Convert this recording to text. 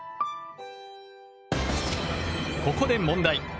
ここで問題。